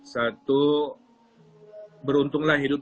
satu beruntunglah hidup